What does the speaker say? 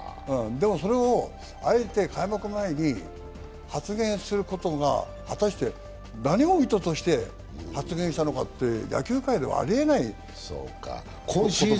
でもそれをあえて開幕前に発言することが果たして何を意図して発言したのかと、野球界ではありえない言葉。